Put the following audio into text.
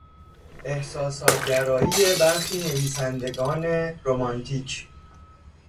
احساسات گرایی برخی نویسندگان رومانتیک